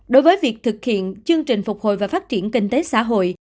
đối với việc thực hiện chương trình phục hồi và phát triển kinh tế xã hội